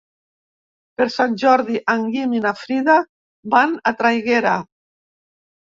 Per Sant Jordi en Guim i na Frida van a Traiguera.